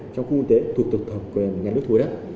trong khu kinh tế thuộc tổng thẩm quyền nhà nước thu hút đất